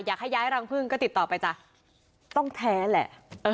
อยากให้ย้ายรังพึ่งก็ติดต่อไปจ้ะต้องแท้แหละ